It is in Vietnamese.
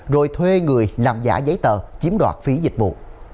rồi thuê người làm giả giấy tờ chiếm đoạt phí dịch vụ